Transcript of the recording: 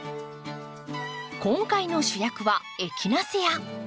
今回の主役はエキナセア。